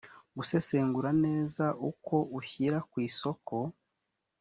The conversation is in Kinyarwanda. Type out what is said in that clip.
gusesengura neza uko ushyira ku isoko